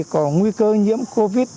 có nguy cơ nhiễm covid